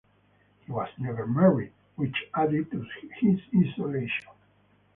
He was never married, which added to his isolation.